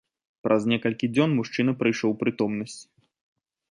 Праз некалькі дзён мужчына прыйшоў у прытомнасць.